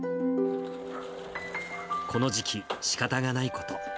この時期、しかたがないこと。